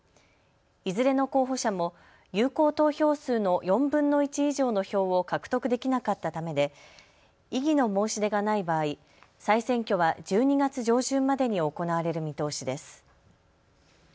いずれの候補者も有効投票数の４分の１以上の票を獲得できなかったためで、異議の申し出がない場合、再選挙は１２月上旬までに行われる見通しです。